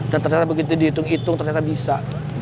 dan ternyata begitu dihitung hitung ternyata bisa